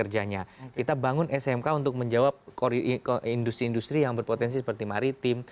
jadi kita bisa menjawab keadaan industri industri yang berpotensi seperti maritim